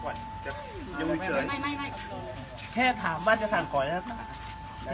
อ่าใจเย็นเย็นใจเย็นเย็นค่ะใจเย็นเย็นพี่